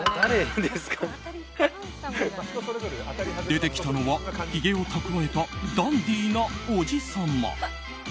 出てきたのは、ひげを蓄えたダンディーなおじさま。